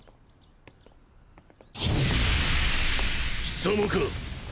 貴様か？